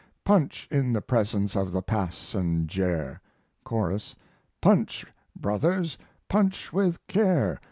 Punch in the presence of the passenjare! CHORUS Punch, brothers! Punch with care!